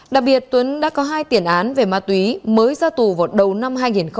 đặc biệt tuấn đã có hai tiền án về ma túy mới ra tù vào đầu năm hai nghìn hai mươi